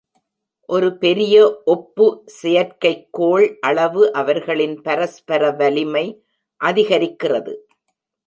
ஒரு பெரிய ஒப்பு செயற்கைக்கோள் அளவு அவர்களின் பரஸ்பர வலிமை அதிகரிக்கிறது.